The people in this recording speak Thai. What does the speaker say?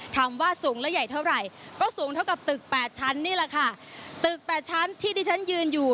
ถามว่าสูงแล้วใหญ่เท่าไหร่ก็สูงเท่ากับตึกแปดชั้นนี่แหละค่ะตึกแปดชั้นที่ที่ฉันยืนอยู่